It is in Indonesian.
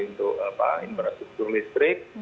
untuk infrastruktur listrik